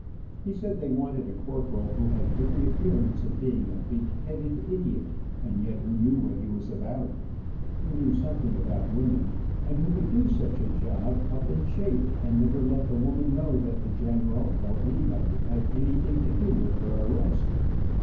He said they wanted a corporal who had every appearance of being a big headed idiot, and yet who knew what he was about, who knew something about women, and who could do such a job up in shape, and never let the woman know that the general or anybody had anything to do with her arrest.